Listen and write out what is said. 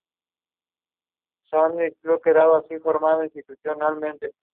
Publicada anónimamente, se atribuye su creación a Felix Salten.